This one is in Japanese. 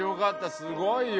すごいよ。